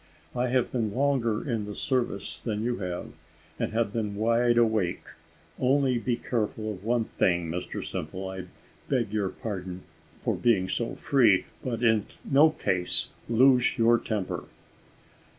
I have been longer in the service than you have, and have been wide awake: only be careful of one thing Mr Simple; I beg your pardon for being so free, but in no case lose your temper."